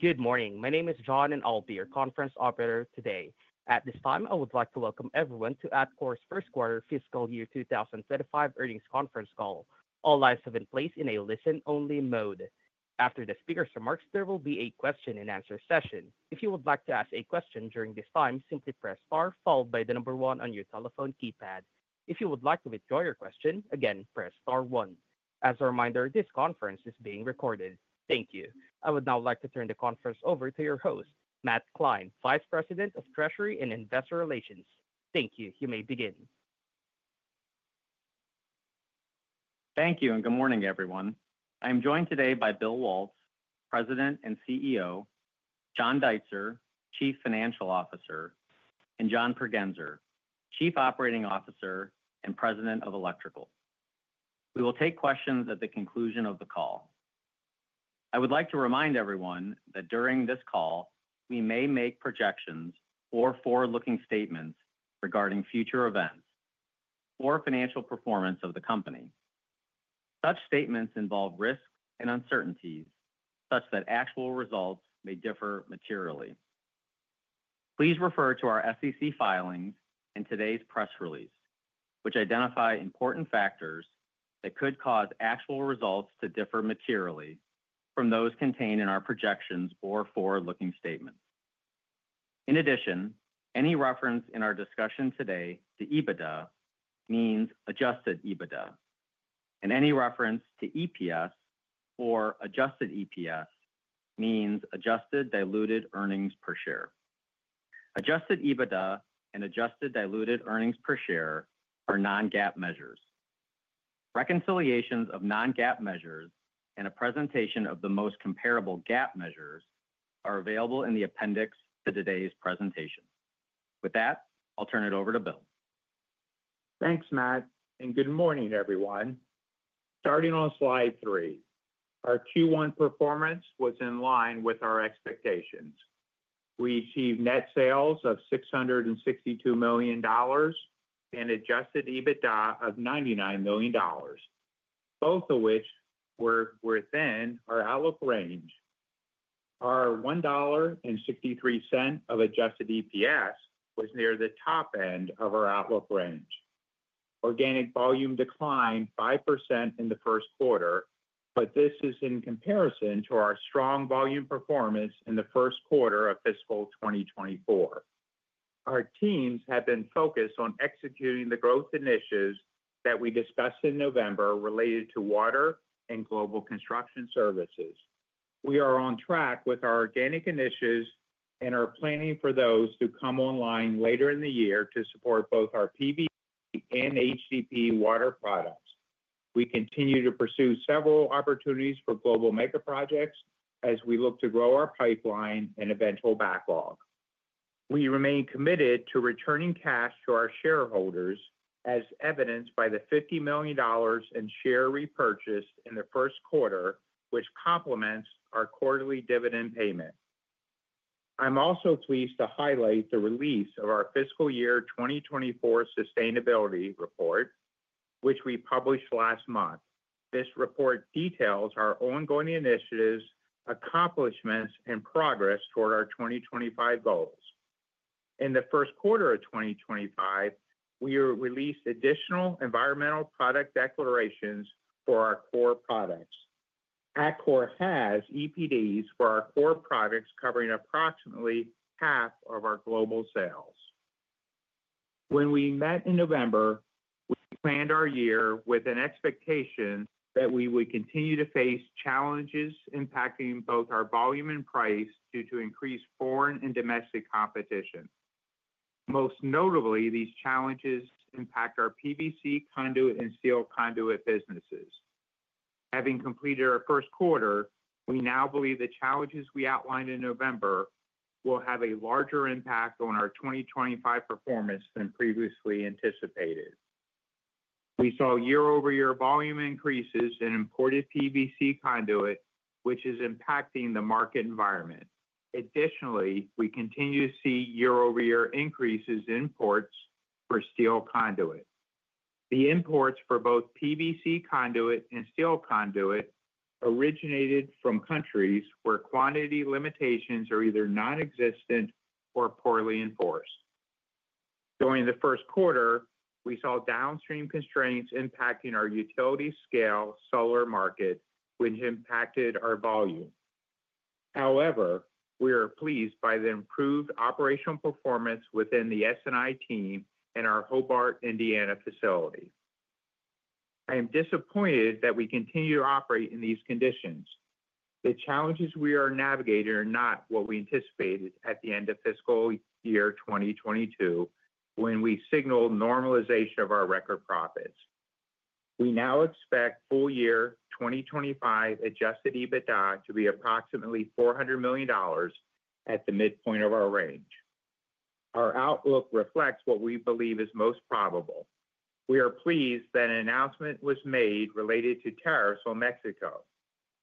Good morning. My name is John and I'll be your conference operator today. At this time, I would like to welcome everyone to Atkore's Q1 fiscal year 2035 earnings conference call. All lines have been placed in a listen-only mode. After the speaker's remarks, there will be a question-and-answer session. If you would like to ask a question during this time, simply press star followed by the number one on your telephone keypad. If you would like to withdraw your question, again, press star one. As a reminder, this conference is being recorded. Thank you. I would now like to turn the conference over to your host, Matthew Kline, Vice President of Treasury and Investor Relations. Thank you. You may begin. Thank you and good morning, everyone. I am joined today by Bill Waltz, President and CEO, John Deitzer, Chief Financial Officer, and John Pregenzer, Chief Operating Officer and President of Electrical. We will take questions at the conclusion of the call. I would like to remind everyone that during this call, we may make projections or forward-looking statements regarding future events or financial performance of the company. Such statements involve risks and uncertainties such that actual results may differ materially. Please refer to our SEC filings and today's press release, which identify important factors that could cause actual results to differ materially from those contained in our projections or forward-looking statements. In addition, any reference in our discussion today to EBITDA means adjusted EBITDA, and any reference to EPS or adjusted EPS means adjusted diluted earnings per share. Adjusted EBITDA and adjusted diluted earnings per share are non-GAAP measures. Reconciliations of non-GAAP measures and a presentation of the most comparable GAAP measures are available in the appendix to today's presentation. With that, I'll turn it over to Bill. Thanks, Matt, and good morning, everyone. Starting on slide three, our Q1 performance was in line with our expectations. We achieved net sales of $662 million and adjusted EBITDA of $99 million, both of which were within our outlook range. Our $1.63 of adjusted EPS was near the top end of our outlook range. Organic volume declined 5% in the Q1, but this is in comparison to our strong volume performance in the Q1 of fiscal 2024. Our teams have been focused on executing the growth initiatives that we discussed in November related to water and global construction services. We are on track with our organic initiatives and are planning for those to come online later in the year to support both our PVC and HDPE water products. We continue to pursue several opportunities for global mega projects as we look to grow our pipeline and eventual backlog. We remain committed to returning cash to our shareholders, as evidenced by the $50 million in share repurchase in the Q1, which complements our quarterly dividend payment. I'm also pleased to highlight the release of our fiscal year 2024 sustainability report, which we published last month. This report details our ongoing initiatives, accomplishments, and progress toward our 2025 goals. In the Q1 of 2025, we released additional environmental product declarations for our core products. Atkore has EPDs for our core products covering approximately half of our global sales. When we met in November, we planned our year with an expectation that we would continue to face challenges impacting both our volume and price due to increased foreign and domestic competition. Most notably, these challenges impact our PVC conduit and steel conduit businesses. Having completed our Q1, we now believe the challenges we outlined in November will have a larger impact on our 2025 performance than previously anticipated. We saw year-over-year volume increases in imported PVC conduit, which is impacting the market environment. Additionally, we continue to see year-over-year increases in imports for steel conduit. The imports for both PVC conduit and steel conduit originated from countries where quantity limitations are either non-existent or poorly enforced. During the Q1, we saw downstream constraints impacting our utility-scale solar market, which impacted our volume. However, we are pleased by the improved operational performance within the S&I team and our Hobart, Indiana, facility. I am disappointed that we continue to operate in these conditions. The challenges we are navigating are not what we anticipated at the end of fiscal year 2022 when we signaled normalization of our record profits. We now expect full-year 2025 Adjusted EBITDA to be approximately $400 million at the midpoint of our range. Our outlook reflects what we believe is most probable. We are pleased that an announcement was made related to tariffs on Mexico.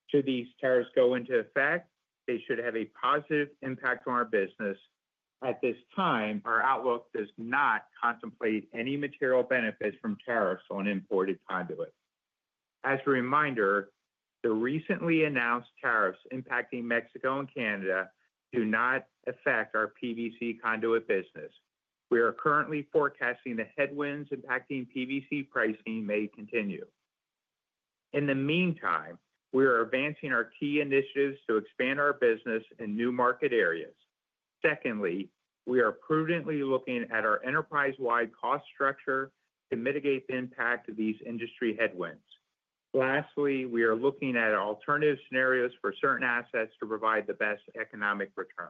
Should these tariffs go into effect, they should have a positive impact on our business. At this time, our outlook does not contemplate any material benefits from tariffs on imported conduit. As a reminder, the recently announced tariffs impacting Mexico and Canada do not affect our PVC conduit business. We are currently forecasting the headwinds impacting PVC pricing may continue. In the meantime, we are advancing our key initiatives to expand our business in new market areas. Secondly, we are prudently looking at our enterprise-wide cost structure to mitigate the impact of these industry headwinds. Lastly, we are looking at alternative scenarios for certain assets to provide the best economic return.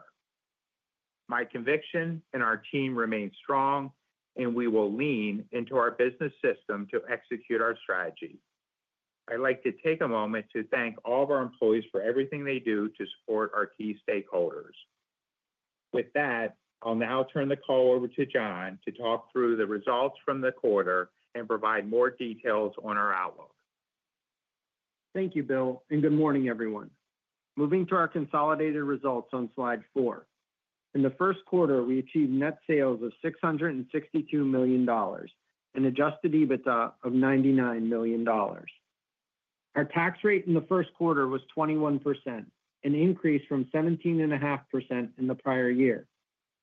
My conviction and our team remain strong, and we will lean into our business system to execute our strategy. I'd like to take a moment to thank all of our employees for everything they do to support our key stakeholders. With that, I'll now turn the call over to John to talk through the results from the quarter and provide more details on our outlook. Thank you, Bill, and good morning, everyone. Moving to our consolidated results on slide four. In the Q1, we achieved net sales of $662 million and Adjusted EBITDA of $99 million. Our tax rate in the Q1 was 21%, an increase from 17.5% in the prior year.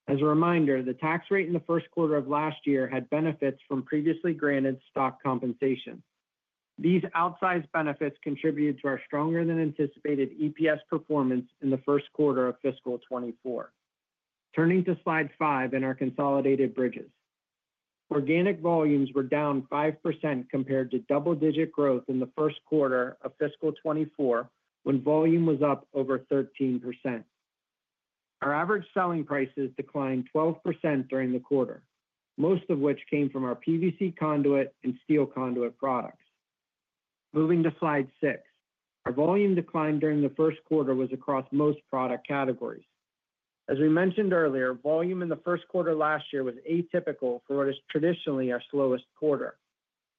As a reminder, the tax rate in the Q1 of last year had benefits from previously granted stock compensation. These outsized benefits contributed to our stronger-than-anticipated EPS performance in the Q1 of fiscal 2024. Turning to slide five in our consolidated bridges, organic volumes were down 5% compared to double-digit growth in the Q1 of fiscal 2024 when volume was up over 13%. Our average selling prices declined 12% during the quarter, most of which came from our PVC conduit and steel conduit products. Moving to slide six, our volume decline during the Q1 was across most product categories. As we mentioned earlier, volume in the Q1 last year was atypical for what is traditionally our slowest quarter.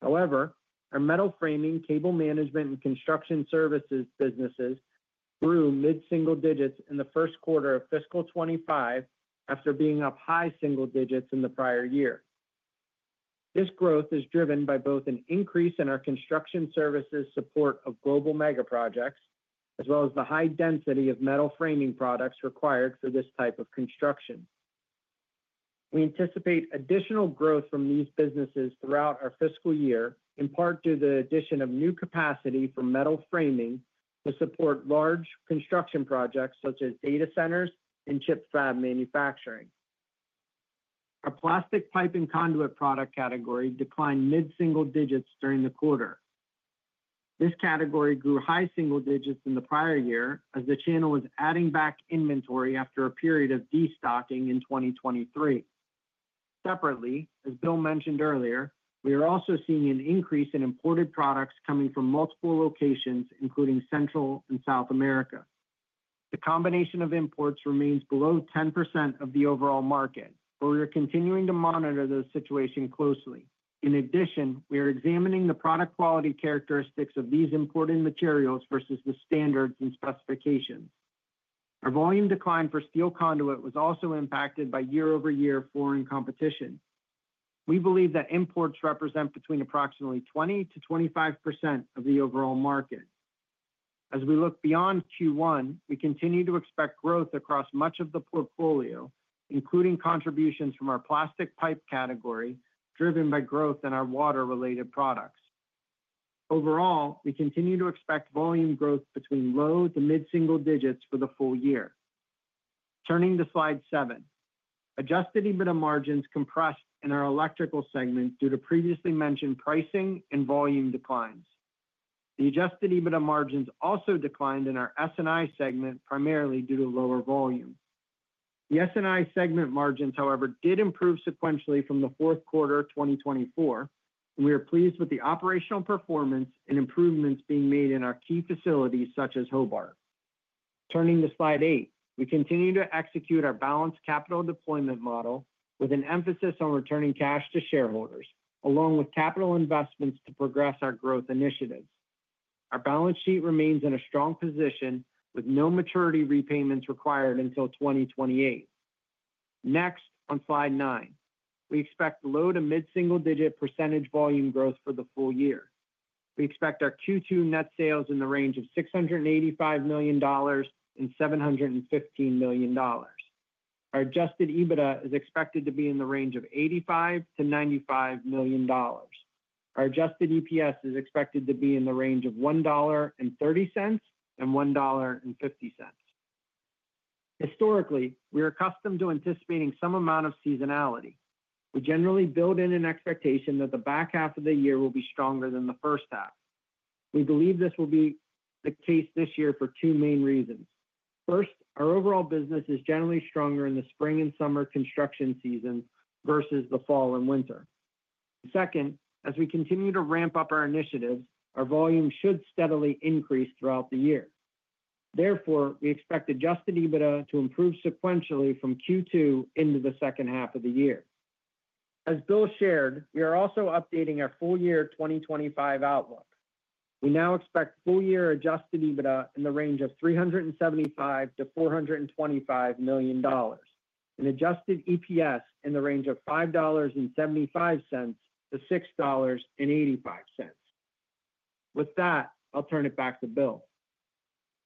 However, our metal framing, cable management, and construction services businesses grew mid-single digits in the Q1 of fiscal 2025 after being up high single digits in the prior year. This growth is driven by both an increase in our construction services support of global mega projects, as well as the high density of metal framing products required for this type of construction. We anticipate additional growth from these businesses throughout our fiscal year, in part due to the addition of new capacity for metal framing to support large construction projects such as data centers and chip fab manufacturing. Our plastic pipe and conduit product category declined mid-single digits during the quarter. This category grew high single digits in the prior year as the channel was adding back inventory after a period of destocking in 2023. Separately, as Bill mentioned earlier, we are also seeing an increase in imported products coming from multiple locations, including Central and South America. The combination of imports remains below 10% of the overall market, but we are continuing to monitor the situation closely. In addition, we are examining the product quality characteristics of these imported materials versus the standards and specifications. Our volume decline for steel conduit was also impacted by year-over-year foreign competition. We believe that imports represent between approximately 20% to 25% of the overall market. As we look beyond Q1, we continue to expect growth across much of the portfolio, including contributions from our plastic pipe category driven by growth in our water-related products. Overall, we continue to expect volume growth between low to mid-single digits for the full year. Turning to slide seven, adjusted EBITDA margins compressed in our electrical segment due to previously mentioned pricing and volume declines. The adjusted EBITDA margins also declined in our S&I segment primarily due to lower volume. The S&I segment margins, however, did improve sequentially from the Q4 of 2024, and we are pleased with the operational performance and improvements being made in our key facilities such as Hobart. Turning to slide eight, we continue to execute our balanced capital deployment model with an emphasis on returning cash to shareholders, along with capital investments to progress our growth initiatives. Our balance sheet remains in a strong position with no maturity repayments required until 2028. Next, on slide nine, we expect low to mid-single-digit percent volume growth for the full year. We expect our Q2 net sales in the range of $685 million and $715 million. Our Adjusted EBITDA is expected to be in the range of $85 to $95 million. Our Adjusted EPS is expected to be in the range of $1.30 and $1.50. Historically, we are accustomed to anticipating some amount of seasonality. We generally build in an expectation that the back half of the year will be stronger than the first half. We believe this will be the case this year for two main reasons. First, our overall business is generally stronger in the spring and summer construction season versus the fall and winter. Second, as we continue to ramp up our initiatives, our volume should steadily increase throughout the year. Therefore, we expect Adjusted EBITDA to improve sequentially from Q2 into the second half of the year. As Bill shared, we are also updating our full year 2025 outlook. We now expect full year Adjusted EBITDA in the range of $375 to $425 million and Adjusted EPS in the range of $5.75 to $6.85. With that, I'll turn it back to Bill.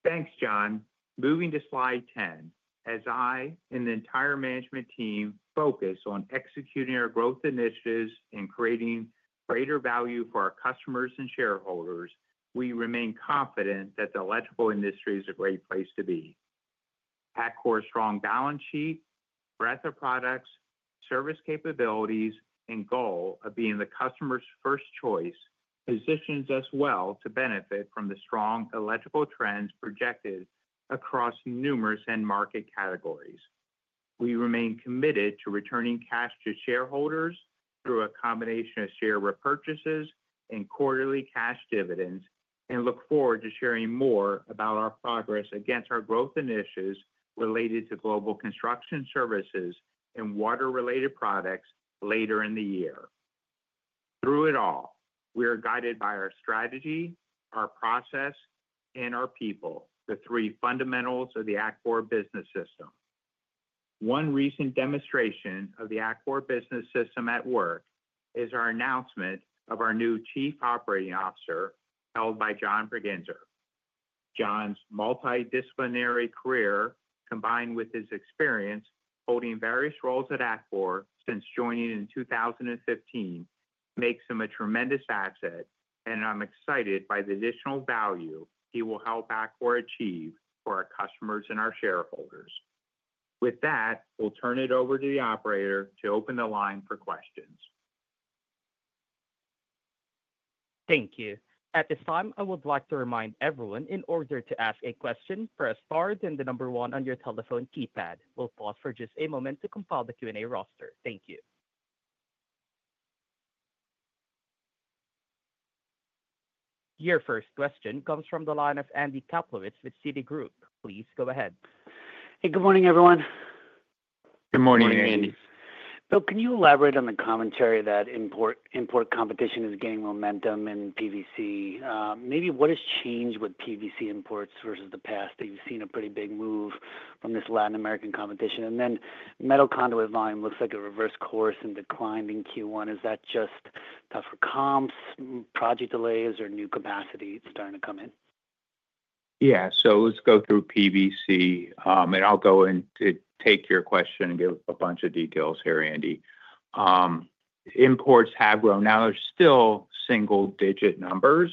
Thanks, John. Moving to slide 10, as I and the entire management team focus on executing our growth initiatives and creating greater value for our customers and shareholders, we remain confident that the electrical industry is a great place to be. Atkore's strong balance sheet, breadth of products, service capabilities, and goal of being the customer's first choice positions us well to benefit from the strong electrical trends projected across numerous end market categories. We remain committed to returning cash to shareholders through a combination of share repurchases and quarterly cash dividends and look forward to sharing more about our progress against our growth initiatives related to global construction services and water-related products later in the year. Through it all, we are guided by our strategy, our process, and our people, the three fundamentals of the Atkore Business System. One recent demonstration of the Atkore Business System at work is our announcement of our new Chief Operating Officer held by John Pregenzer. John's multidisciplinary career, combined with his experience holding various roles at Atkore since joining in 2015, makes him a tremendous asset, and I'm excited by the additional value he will help Atkore achieve for our customers and our shareholders. With that, we'll turn it over to the operator to open the line for questions. Thank you. At this time, I would like to remind everyone in order to ask a question, press star, then the number one on your telephone keypad. We'll pause for just a moment to compile the Q&A roster. Thank you. Your first question comes from the line of Andy Kaplowitz with Citigroup. Please go ahead. Hey, good morning, everyone. Good morning, Andy. Bill, can you elaborate on the commentary that import competition is gaining momentum in PVC? Maybe what has changed with PVC imports versus the past? Have you seen a pretty big move from this Latin American competition? And then metal conduit volume looks like a reverse course and declined in Q1. Is that just tougher comps, project delays, or new capacity starting to come in? Yeah, so let's go through PVC, and I'll go in to take your question and give a bunch of details here, Andy. Imports have grown. Now, they're still single-digit numbers,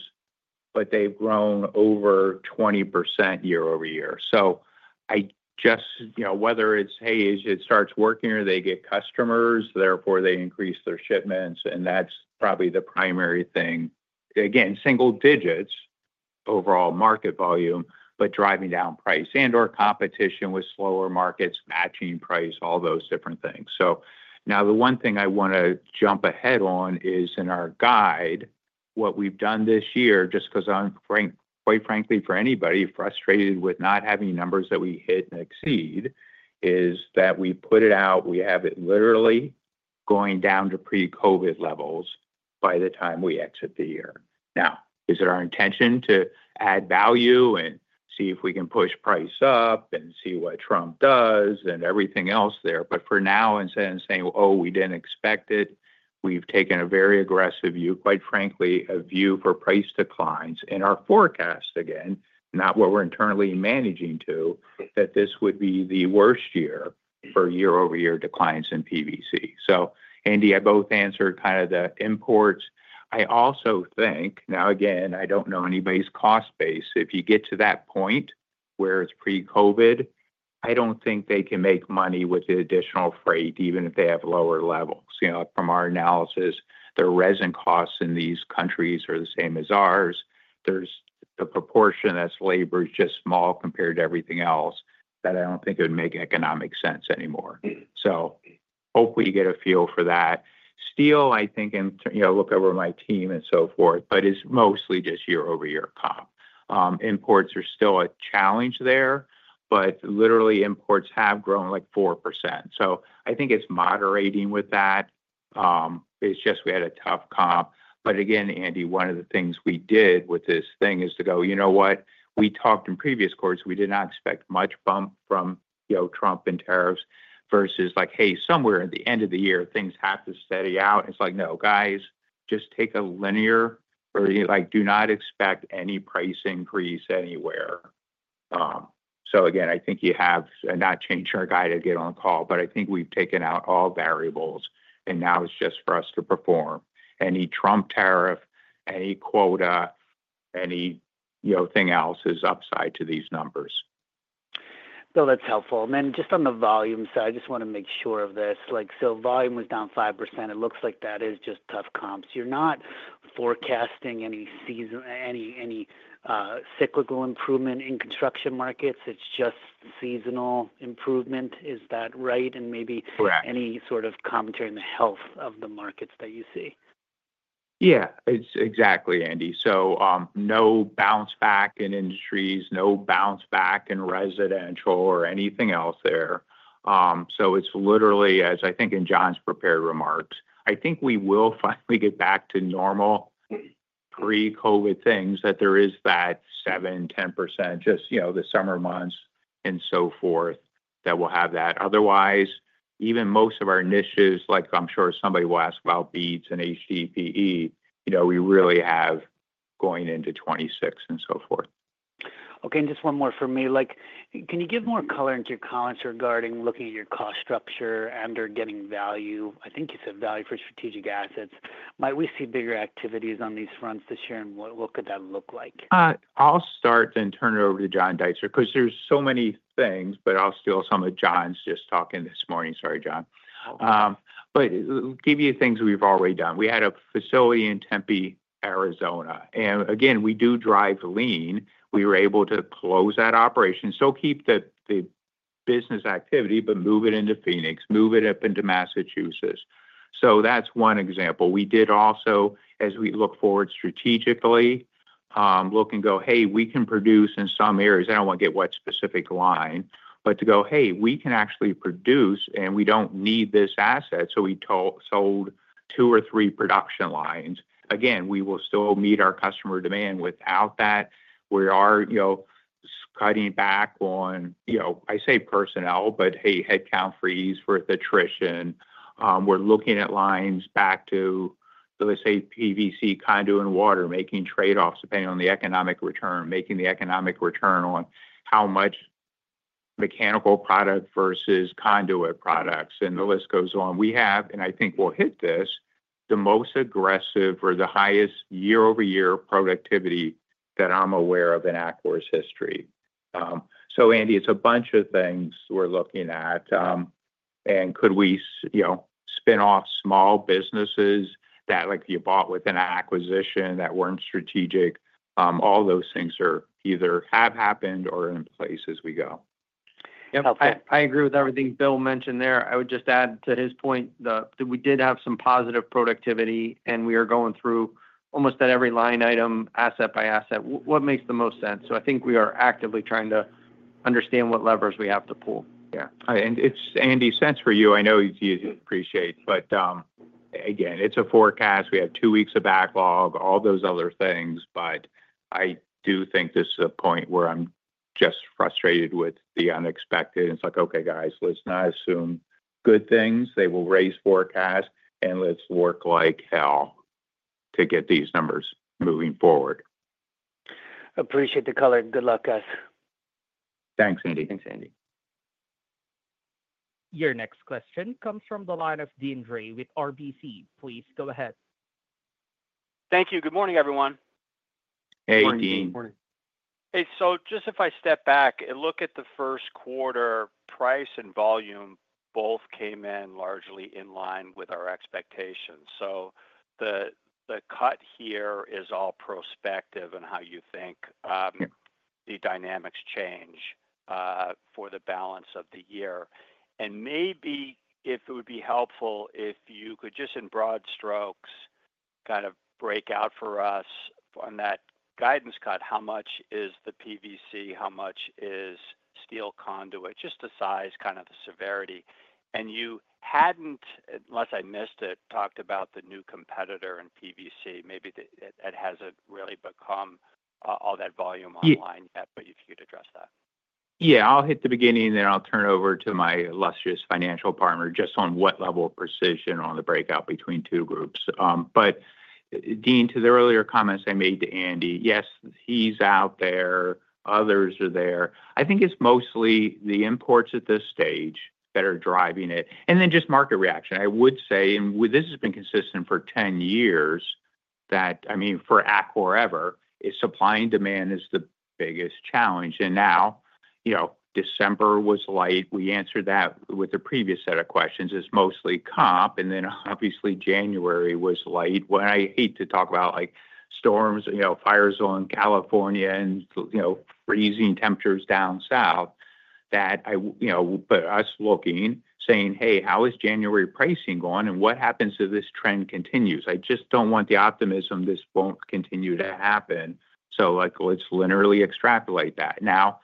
but they've grown over 20% year-over-year. So I just, you know, whether it's, hey, it starts working or they get customers, therefore they increase their shipments, and that's probably the primary thing. Again, single-digits, overall market volume, but driving down price and or competition with slower markets, matching price, all those different things. So now the one thing I want to jump ahead on is in our guide, what we've done this year, just because I'm quite frankly, for anybody frustrated with not having numbers that we hit and exceed, is that we put it out, we have it literally going down to pre-COVID levels by the time we exit the year. Now, is it our intention to add value and see if we can push price up and see what Trump does and everything else there? But for now, instead of saying, "Oh, we didn't expect it," we've taken a very aggressive view, quite frankly, a view for price declines in our forecast, again, not what we're internally managing to, that this would be the worst year for year-over-year declines in PVC. So, Andy, I both answered kind of the imports. I also think, now again, I don't know anybody's cost base. If you get to that point where it's pre-COVID, I don't think they can make money with the additional freight, even if they have lower levels. You know, from our analysis, the resin costs in these countries are the same as ours. There's the proportion that's labor is just small compared to everything else that I don't think it would make economic sense anymore. So hopefully you get a feel for that, still, I think, and you know, look over my team and so forth, but it's mostly just year-over-year comp. Imports are still a challenge there, but literally imports have grown like 4%. So I think it's moderating with that. It's just we had a tough comp. But again, Andy, one of the things we did with this thing is to go, you know what? We talked in previous quarters, we did not expect much bump from, you know, Trump and tariffs versus like, hey, somewhere at the end of the year, things have to steady out. It's like, no, guys, just take a linear or like do not expect any price increase anywhere. Again, I think you have not changed our guidance from the call, but I think we've taken out all variables and now it's just for us to perform. Any Trump tariff, any quota, any, you know, thing else is upside to these numbers. Bill, that's helpful. And then just on the volume side, I just want to make sure of this. Like, so volume was down 5%. It looks like that is just tough comps. You're not forecasting any cyclical improvement in construction markets. It's just seasonal improvement. Is that right? And maybe. Correct. Any sort of commentary on the health of the markets that you see? Yeah, it's exactly, Andy. So no bounce back in industries, no bounce back in residential or anything else there. So it's literally, as I think in John's prepared remarks, I think we will finally get back to normal pre-COVID things that there is that 7 to 10%, just, you know, the summer months and so forth that we'll have that. Otherwise, even most of our niches, like I'm sure somebody will ask about BEAD and HDPE, you know, we really have going into 2026 and so forth. Okay. And just one more for me. Like, can you give more color into your comments regarding looking at your cost structure and or getting value? I think you said value for strategic assets. Might we see bigger activities on these fronts this year? And what could that look like? I'll start and turn it over to John Deitzer because there's so many things, but I'll steal some of John's just talking this morning. Sorry, John. But I'll give you things we've already done. We had a facility in Tempe, Arizona. And again, we do drive lean. We were able to close that operation. So keep the business activity, but move it into Phoenix, move it up into Massachusetts. So that's one example. We did also, as we look forward strategically, look and go, hey, we can produce in some areas. I don't want to get what specific line, but to go, hey, we can actually produce and we don't need this asset. So we sold two or three production lines. Again, we will still meet our customer demand without that. We are, you know, cutting back on, you know, I say personnel, but hey, headcount freeze for attrition. We're looking at lines back to, let's say, PVC conduit and water, making trade-offs depending on the economic return, making the economic return on how much mechanical product versus conduit products, and the list goes on. We have, and I think we'll hit this, the most aggressive or the highest year-over-year productivity that I'm aware of in Atkore's history, so Andy, it's a bunch of things we're looking at, and could we, you know, spin off small businesses that, like, you bought with an acquisition that weren't strategic? All those things have happened or are in place as we go. Yep. I agree with everything Bill mentioned there. I would just add to his point that we did have some positive productivity, and we are going through almost at every line item, asset by asset. What makes the most sense? So I think we are actively trying to understand what levers we have to pull. Yeah. It makes sense for you, Andy. I know you appreciate, but again, it's a forecast. We have two weeks of backlog, all those other things, but I do think this is a point where I'm just frustrated with the unexpected. It's like, okay, guys, let's not assume good things. They will raise forecasts, and let's work like hell to get these numbers moving forward. Appreciate the color. Good luck, guys. Thanks, Andy. Thanks, Andy. Your next question comes from the line of Deane Dray with RBC. Please go ahead. Thank you. Good morning, everyone. Hey, Dean. Morning. Hey. So just if I step back and look at the Q1, price and volume both came in largely in line with our expectations. So the cut here is all prospective and how you think the dynamics change for the balance of the year. And maybe if it would be helpful if you could just in broad strokes kind of break out for us on that guidance cut, how much is the PVC, how much is steel conduit, just the size, kind of the severity. And you hadn't, unless I missed it, talked about the new competitor in PVC. Maybe it hasn't really become all that volume online yet, but if you could address that. Yeah, I'll hit the beginning there. I'll turn it over to my illustrious financial partner just on what level of precision on the breakout between two groups. But, Deane, to the earlier comments I made to Andy, yes, he's out there. Others are there. I think it's mostly the imports at this stage that are driving it. And then just market reaction. I would say, and this has been consistent for 10 years, that I mean, for Atkore ever, supply and demand is the biggest challenge. And now, you know, December was light. We answered that with the previous set of questions. It's mostly comp. And then obviously January was light when I hate to talk about like storms, you know, fires in California and, you know, freezing temperatures down south that I, you know, but us looking saying, hey, how is January pricing going and what happens if this trend continues? I just don't want the optimism this won't continue to happen. So like, let's literally extrapolate that. Now,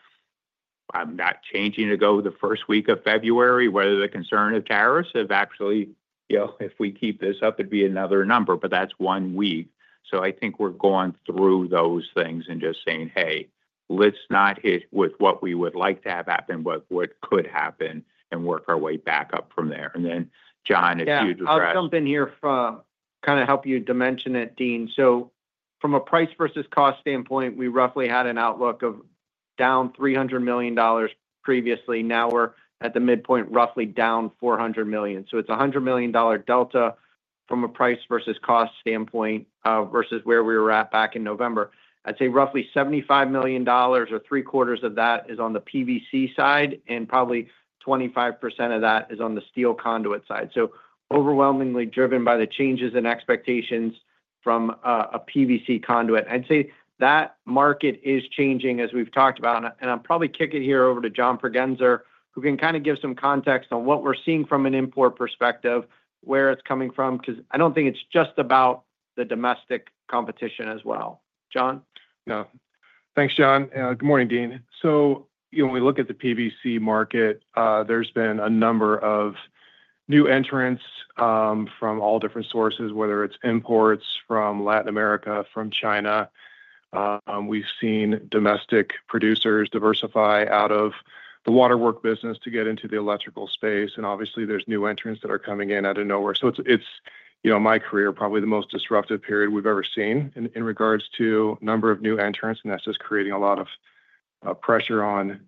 I'm not changing to go the first week of February, whether the concern of tariffs have actually, you know, if we keep this up, it'd be another number, but that's one week. So I think we're going through those things and just saying, hey, let's not hit with what we would like to have happened, but what could happen and work our way back up from there. And then John, if you'd address. Yeah, I'll jump in here for kind of help you dimension it, Deane. So from a price versus cost standpoint, we roughly had an outlook of down $300 million previously. Now we're at the midpoint, roughly down $400 million. So it's a $100 million delta from a price versus cost standpoint versus where we were at back in November. I'd say roughly $75 million or Q3 of that is on the PVC side and probably 25% of that is on the steel conduit side. So overwhelmingly driven by the changes in expectations from a PVC conduit. I'd say that market is changing as we've talked about. And I'll probably kick it here over to John Pregenzer, who can kind of give some context on what we're seeing from an import perspective, where it's coming from, because I don't think it's just about the domestic competition as well. John? Yeah. Thanks, John. Good morning, Deane. So when we look at the PVC market, there's been a number of new entrants from all different sources, whether it's imports from Latin America, from China. We've seen domestic producers diversify out of the water work business to get into the electrical space. And obviously, there's new entrants that are coming in out of nowhere. So it's, you know, my career, probably the most disruptive period we've ever seen in regards to number of new entrants. And that's just creating a lot of pressure on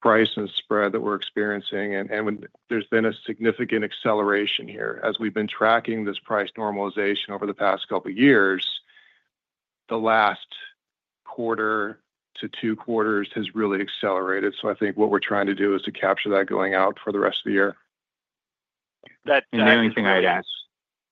price and spread that we're experiencing. And there's been a significant acceleration here as we've been tracking this price normalization over the past couple of years. The last quarter to Q2 has really accelerated. So I think what we're trying to do is to capture that going out for the rest of the year. And the only thing I'd ask.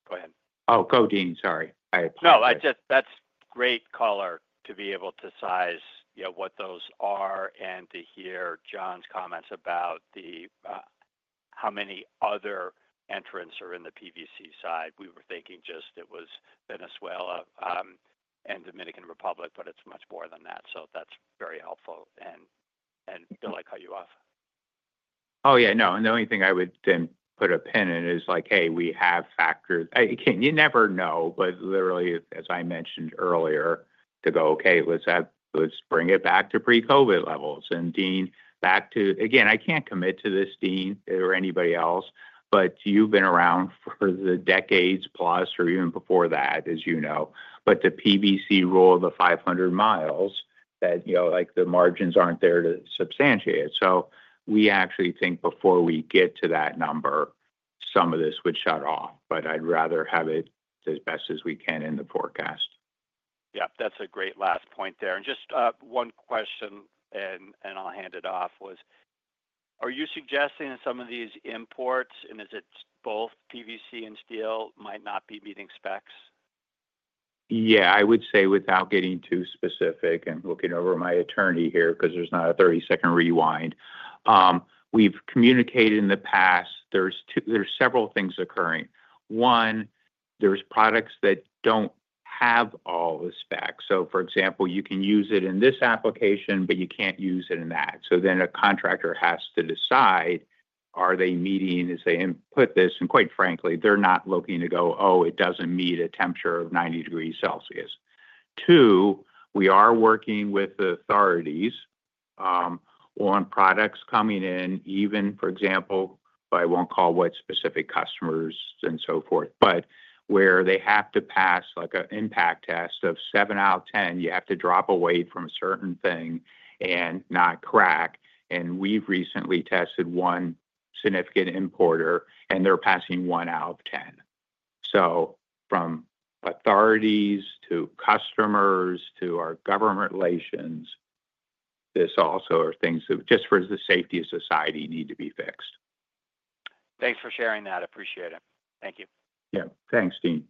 Go ahead. Oh, go, Deane. Sorry. I apologize. No, I just, that's great color to be able to size, you know, what those are and to hear John's comments about the how many other entrants are in the PVC side. We were thinking just it was Venezuela and Dominican Republic, but it's much more than that. So that's very helpful. And Bill, I cut you off. Oh, yeah. No, and the only thing I would then put a pin in is like, hey, we have factors. You never know, but literally, as I mentioned earlier, to go, okay, let's bring it back to pre-COVID levels, and Dean, back to, again, I can't commit to this, Dean, or anybody else, but you've been around for the decades plus or even before that, as you know, but the PVC rule of the 500 miles that, you know, like the margins aren't there to substantiate it. So we actually think before we get to that number, some of this would shut off, but I'd rather have it as best as we can in the forecast. Yeah, that's a great last point there, and just one question, and I'll hand it off, are you suggesting that some of these imports and is it both PVC and steel might not be meeting specs? Yeah, I would say without getting too specific and looking over my attorney here because there's not a 30-second rewind. We've communicated in the past, there's several things occurring. One, there's products that don't have all the specs. So for example, you can use it in this application, but you can't use it in that. So then a contractor has to decide, are they meeting, as they put this, and quite frankly, they're not looking to go, oh, it doesn't meet a temperature of 90°C. Two, we are working with the authorities on products coming in, even, for example, but I won't call what specific customers and so forth, but where they have to pass like an impact test of seven out of ten, you have to drop a weight from a certain thing and not crack. And we've recently tested one significant importer and they're passing one out of ten. So from authorities to customers to our government relations, this also are things that just for the safety of society need to be fixed. Thanks for sharing that. Appreciate it. Thank you. Yeah. Thanks, Deane.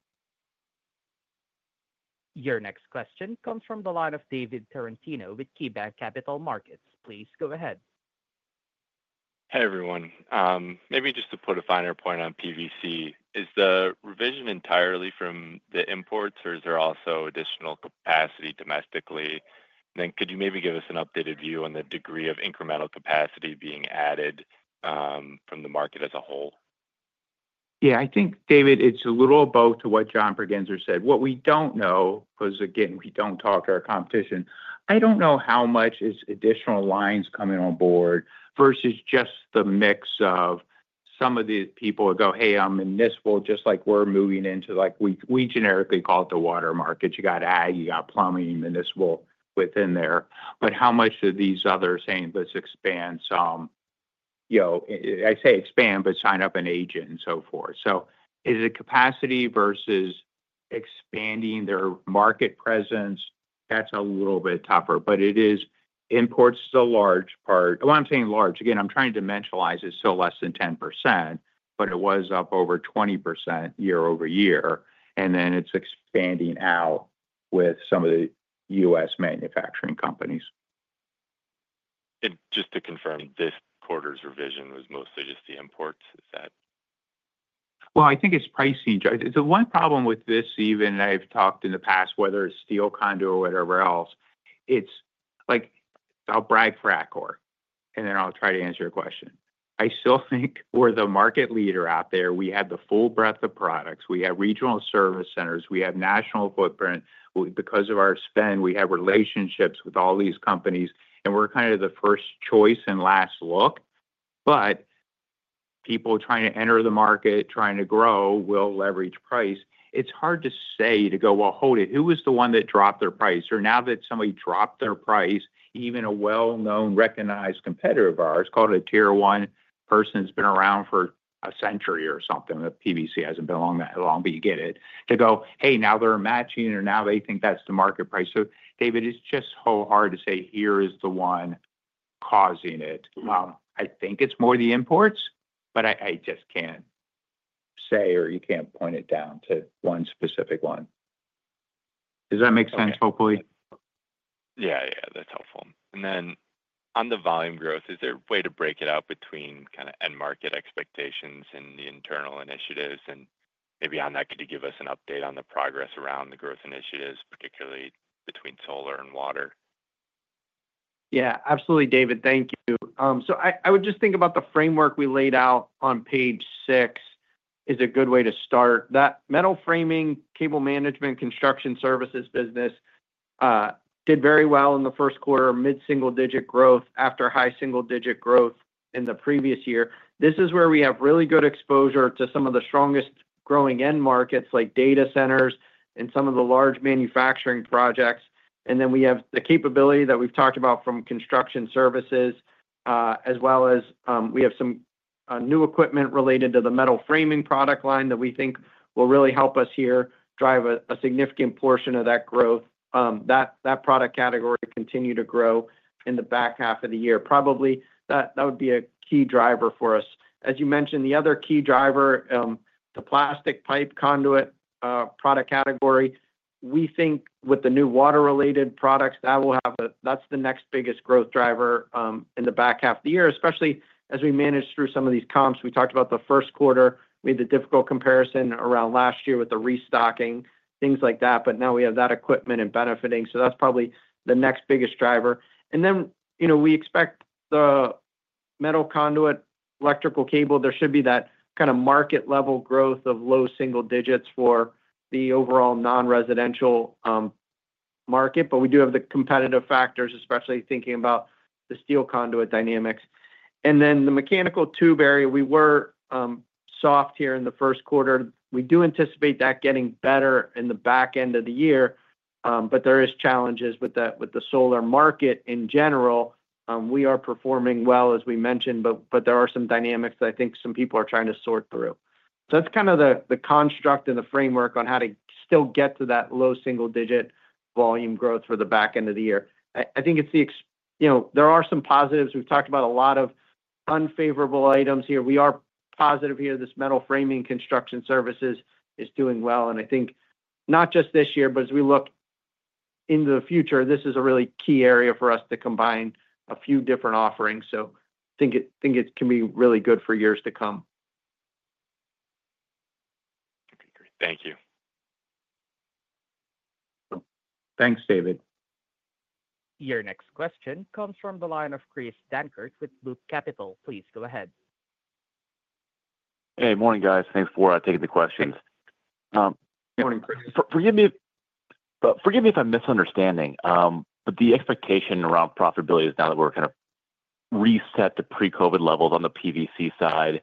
Your next question comes from the line of David Tarantino with KeyBanc Capital Markets. Please go ahead. Hey, everyone. Maybe just to put a finer point on PVC, is the revision entirely from the imports or is there also additional capacity domestically? And then could you maybe give us an updated view on the degree of incremental capacity being added from the market as a whole? Yeah, I think, David, it's a little about to what John Pregenzer said. What we don't know because, again, we don't talk to our competition, I don't know how much is additional lines coming on board versus just the mix of some of the people who go, hey, I'm in this world just like we're moving into, like we generically call it the water market. You got ag, you got plumbing, municipal, within there. But how much are these others saying, let's expand some, you know, I say expand, but sign up an agent and so forth. So is it capacity versus expanding their market presence? That's a little bit tougher, but it is imports to a large part. Well, I'm saying large. Again, I'm trying to dimensionalize it. It's still less than 10%, but it was up over 20% year-over-year. It's expanding out with some of the U.S. manufacturing companies. Just to confirm, this quarter's revision was mostly just the imports. Is that? I think it's pricing. The one problem with this, even I've talked in the past, whether it's steel conduit or whatever else, it's like, I'll brag for Atkore, and then I'll try to answer your question. I still think we're the market leader out there. We have the full breadth of products. We have regional service centers. We have national footprint. Because of our spend, we have relationships with all these companies, and we're kind of the first choice and last look. But people trying to enter the market, trying to grow, will leverage price. It's hard to say to go, well, hold it, who was the one that dropped their price? Or, now that somebody dropped their price, even a well-known, recognized competitor of ours, called a tier one person who's been around for a century or something, the PVC hasn't been around that long, but you get it, to go, hey, now they're matching or now they think that's the market price. So, David, it's just so hard to say here is the one causing it. I think it's more the imports, but I just can't say or you can't point it down to one specific one. Does that make sense, hopefully? Yeah, yeah, that's helpful. And then on the volume growth, is there a way to break it out between kind of end market expectations and the internal initiatives? And maybe on that, could you give us an update on the progress around the growth initiatives, particularly between solar and water? Yeah, absolutely, David. Thank you. So, I would just think about the framework we laid out on page six is a good way to start. That metal framing, cable management, construction services business did very well in the Q1, mid-single-digit growth after high-single-digit growth in the previous year. This is where we have really good exposure to some of the strongest growing end markets like data centers and some of the large manufacturing projects. And then we have the capability that we've talked about from construction services, as well as we have some new equipment related to the metal framing product line that we think will really help us here drive a significant portion of that growth. That product category continued to grow in the back half of the year. Probably that would be a key driver for us. As you mentioned, the other key driver, the plastic pipe conduit product category, we think with the new water-related products, that will have a, that's the next biggest growth driver in the back half of the year, especially as we manage through some of these comps. We talked about the Q1. We had the difficult comparison around last year with the restocking, things like that, but now we have that equipment and benefiting. So that's probably the next biggest driver. And then, you know, we expect the metal conduit, electrical cable, there should be that kind of market-level growth of low single digits for the overall non-residential market, but we do have the competitive factors, especially thinking about the steel conduit dynamics. And then the mechanical tube area, we were soft here in the Q1. We do anticipate that getting better in the back end of the year, but there are challenges with the solar market in general. We are performing well, as we mentioned, but there are some dynamics that I think some people are trying to sort through. So that's kind of the construct and the framework on how to still get to that low single digit volume growth for the back end of the year. I think it's the, you know, there are some positives. We've talked about a lot of unfavorable items here. We are positive here. This metal framing construction services is doing well, and I think not just this year, but as we look into the future, this is a really key area for us to combine a few different offerings. So I think it can be really good for years to come. Okay, great. Thank you. Thanks, David. Your next question comes from the line of Chris Dankert with Loop Capital. Please go ahead. Hey, morning, guys. Thanks for taking the questions. Morning. Forgive me if I'm misunderstanding, but the expectation around profitability is now that we're kind of reset to pre-COVID levels on the PVC side.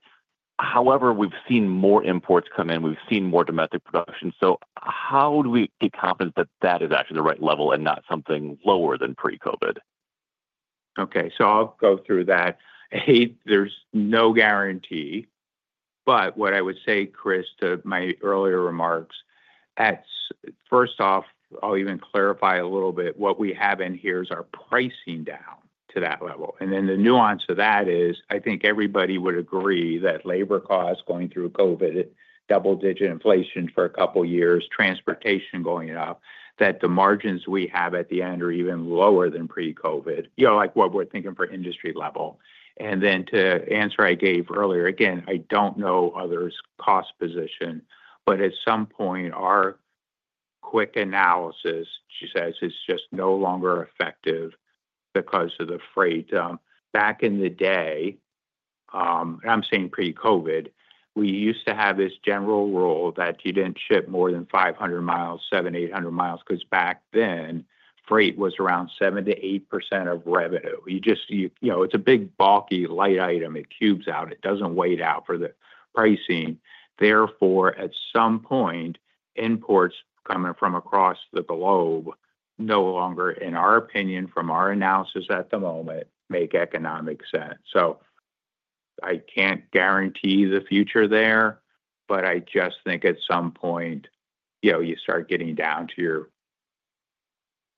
However, we've seen more imports come in. We've seen more domestic production. So how do we get confident that that is actually the right level and not something lower than pre-COVID? Okay, so I'll go through that. There's no guarantee. But what I would say, Chris, to my earlier remarks, first off, I'll even clarify a little bit. What we have in here is our pricing down to that level. And then the nuance of that is I think everybody would agree that labor costs going through COVID, double-digit inflation for a couple of years, transportation going up, that the margins we have at the end are even lower than pre-COVID, you know, like what we're thinking for industry level. And then to answer I gave earlier, again, I don't know others' cost position, but at some point, our quick analysis as is is just no longer effective because of the freight. Back in the day, and I'm saying pre-COVID, we used to have this general rule that you didn't ship more than 500 miles, 700, 800 miles, because back then, freight was around 7% to 8% of revenue. You just, you know, it's a big bulky light item. It cubes out. It doesn't weigh out for the pricing. Therefore, at some point, imports coming from across the globe no longer, in our opinion, from our analysis at the moment, make economic sense. So I can't guarantee the future there, but I just think at some point, you know, you start getting down to your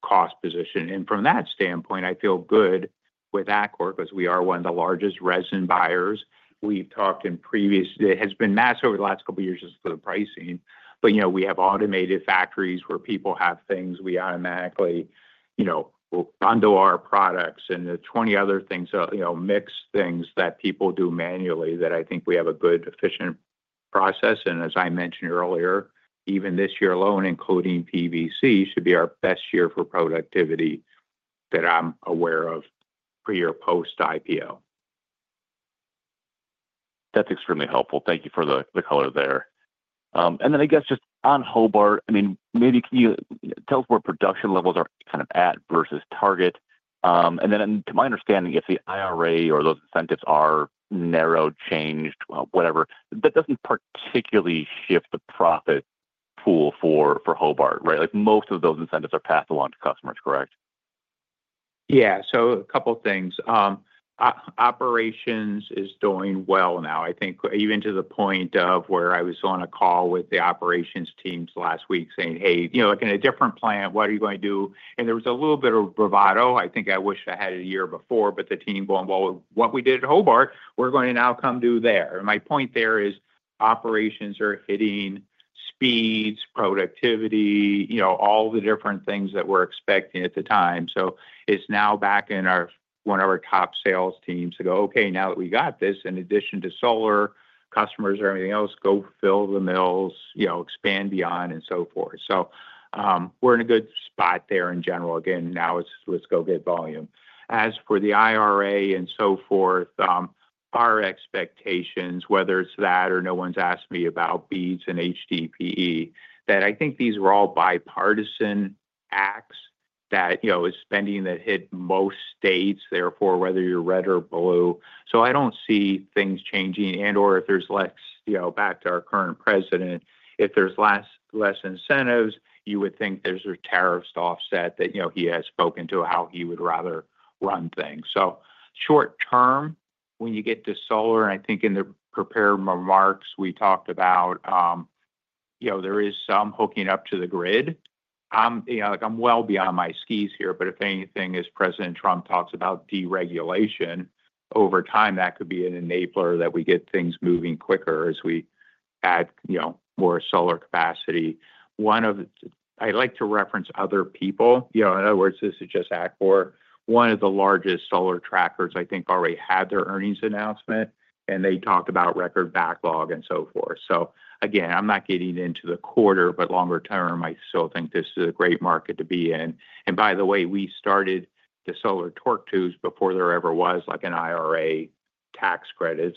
cost position. And from that standpoint, I feel good with Atkore because we are one of the largest resin buyers. We've talked in previous, it has been massive over the last couple of years just for the pricing. But you know, we have automated factories where people have things. We automatically, you know, bundle our products and the 20 other things, you know, mix things that people do manually that I think we have a good efficient process. And as I mentioned earlier, even this year alone, including PVC, should be our best year for productivity that I'm aware of pre or post-IPO. That's extremely helpful. Thank you for the color there. And then I guess just on Hobart, I mean, maybe can you tell us where production levels are kind of at versus target? And then to my understanding, if the IRA or those incentives are narrowed, changed, whatever, that doesn't particularly shift the profit pool for Hobart, right? Like most of those incentives are passed along to customers, correct? Yeah, so a couple of things. Operations is doing well now, I think, even to the point of where I was on a call with the operations teams last week saying, "Hey, you know, like in a different plant, what are you going to do?" And there was a little bit of bravado. I think I wish I had it a year before, but the team going, "Well, what we did at Hobart, we're going to now come do there." And my point there is operations are hitting speeds, productivity, you know, all the different things that we're expecting at the time. So it's now back in our one of our top sales teams to go, "Okay, now that we got this, in addition to solar, customers or anything else, go fill the mills, you know, expand beyond and so forth." So we're in a good spot there in general. Again, now it's let's go get volume. As for the IRA and so forth, our expectations, whether it's that or no one's asked me about beads and HDPE, that I think these were all bipartisan acts that, you know, is spending that hit most states, therefore whether you're red or blue. So I don't see things changing and or if there's less, you know, back to our current president, if there's less incentives, you would think there's a tariffs to offset that, you know, he has spoken to how he would rather run things. So short term, when you get to solar, and I think in the prepared remarks we talked about, you know, there is some hooking up to the grid. You know, like I'm well beyond my skis here, but if anything, as President Trump talks about deregulation over time, that could be an enabler that we get things moving quicker as we add, you know, more solar capacity. I like to reference other people, you know, in other words, this is just Atkore, one of the largest solar trackers I think already had their earnings announcement, and they talked about record backlog and so forth. So again, I'm not getting into the quarter, but longer term, I still think this is a great market to be in. By the way, we started the solar torque tubes before there ever was like an IRA tax credit.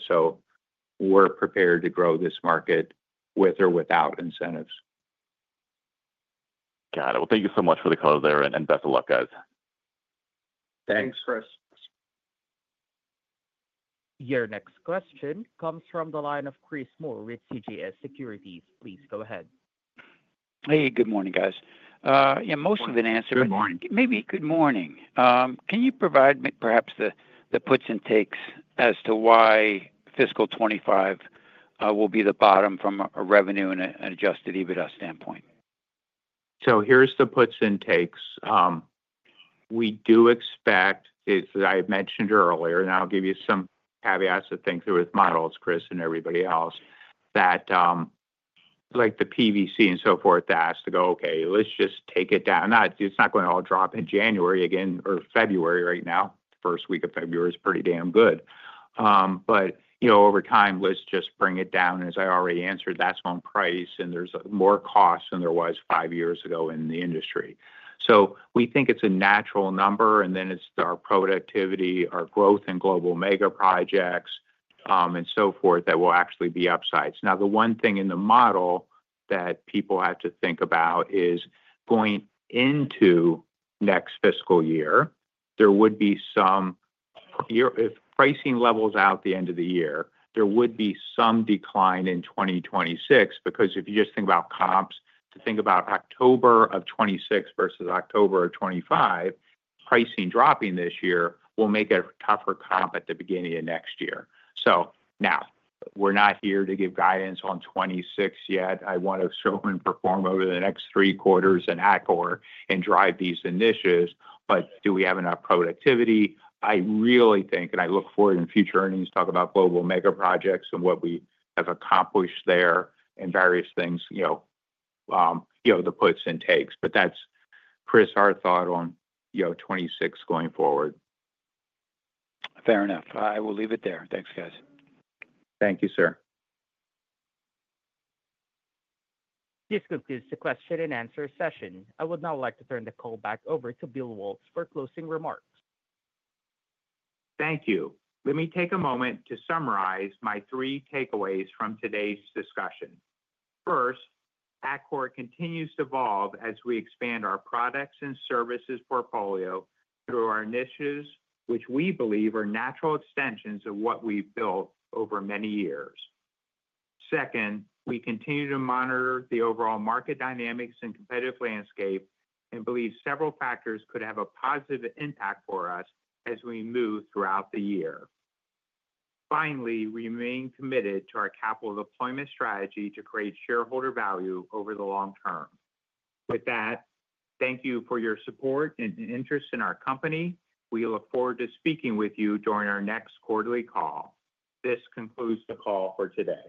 We're prepared to grow this market with or without incentives. Got it. Thank you so much for the color there and best of luck, guys. Thanks, Chris. Your next question comes from the line of Chris Moore with CJS Securities. Please go ahead. Hey, good morning, guys. Yeah, most of it answered. Good morning. Maybe good morning. Can you provide me perhaps the puts and takes as to why fiscal 2025 will be the bottom from a revenue and an Adjusted EBITDA standpoint? So here's the puts and takes. We do expect, as I mentioned earlier, and I'll give you some caveats to think through with models, Chris, and everybody else, that like the PVC and so forth, that has to go, okay, let's just take it down. It's not going to all drop in January again or February right now. First week of February is pretty damn good. But, you know, over time, let's just bring it down. As I already answered, that's on price and there's more costs than there was five years ago in the industry. So we think it's a natural number and then it's our productivity, our growth in global mega projects and so forth that will actually be upsides. Now, the one thing in the model that people have to think about is going into next fiscal year, there would be some, if pricing levels out the end of the year, there would be some decline in 2026 because if you just think about comps, to think about October of 2026 versus October of 2025, pricing dropping this year will make it a tougher comp at the beginning of next year. So now we're not here to give guidance on 2026 yet. I want to show and perform over the next Q3 at Atkore and drive these initiatives, but do we have enough productivity? I really think, and I look forward in future earnings, talk about global mega projects and what we have accomplished there and various things, you know, the puts and takes, but that's Chris, our thought on, you know, 26 going forward. Fair enough. I will leave it there. Thanks, guys. Thank you, sir. This concludes the question and answer session. I would now like to turn the call back over to Bill Waltz for closing remarks. Thank you. Let me take a moment to summarize my three takeaways from today's discussion. First, Atkore continues to evolve as we expand our products and services portfolio through our initiatives, which we believe are natural extensions of what we've built over many years. Second, we continue to monitor the overall market dynamics and competitive landscape and believe several factors could have a positive impact for us as we move throughout the year. Finally, we remain committed to our capital deployment strategy to create shareholder value over the long term. With that, thank you for your support and interest in our company. We look forward to speaking with you during our next quarterly call. This concludes the call for today.